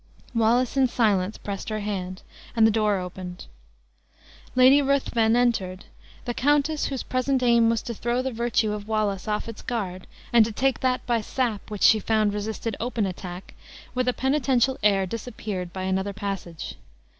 Wallace in silence pressed her hand, and the door opened. Lady Ruthven entered. The countess, whose present aim was to throw the virtue of Wallace off its guard, and to take that by sap, which she found resisted open attack, with a penitential air disappeared by another passage.